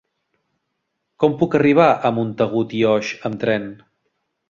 Com puc arribar a Montagut i Oix amb tren?